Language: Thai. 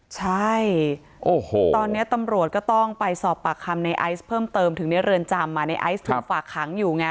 ใช่ตอนนี้ตำรวจก็ต้องไปสอบปากคำในไอซ์เพิ่มเติมถึงในเรือนจำในไอซ์ถูกฝากขังอยู่ไง